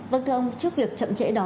vâng thưa ông trước việc chậm trễ đó